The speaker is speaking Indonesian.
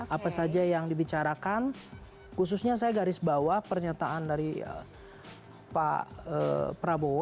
apa saja yang dibicarakan khususnya saya garis bawah pernyataan dari pak prabowo